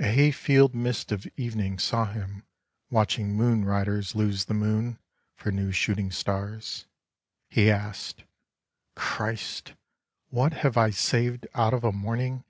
A hayfield mist of evening saw him Watching moon riders lose the moon For new shooting stars — he asked, " Christ, what have I saved out of a morning?